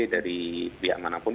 dari pihak manapun